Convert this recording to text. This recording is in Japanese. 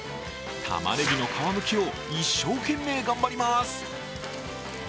たまねぎの皮むきを一生懸命頑張ります。